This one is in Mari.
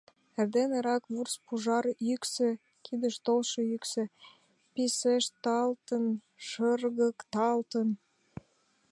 Эрден эрак вурс пужар Йӱксӧ, кидыш толшо йӱксӧ, Писешталтын, шыргыкталын